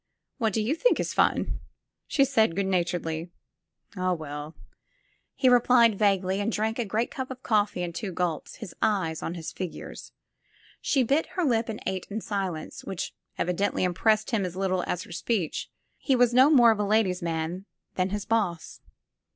'*What do you think is fun?" she said good natur edly. *'0h, well/' he replied vaguely, and drank a great cup of coflfee in two gulps, his eye on his figures. She bit her lip and ate in silence, which evidently im pressed him as little as her speech. He was no more a ladies' man than his boss.